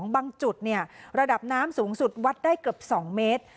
บางจุดระดับน้ำสูงสุดวัดได้เกือบ๒เมตร